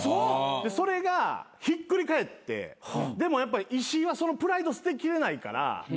それがひっくり返ってでもやっぱ石井はそのプライド捨てきれないから。